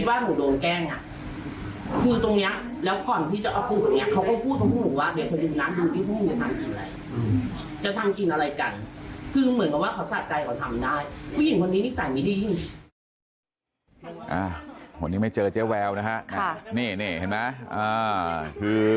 อ่าวันนี้ไม่เจอเจ้าแววนะฮะนี่เห็นปะ